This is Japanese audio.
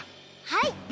はい！